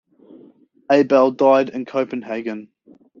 Abell died in Copenhagen.